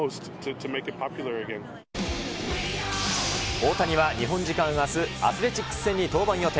大谷は日本時間あす、アスレチックス戦に登板予定。